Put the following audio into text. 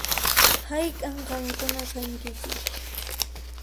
Hayk'an qankuna kankichis?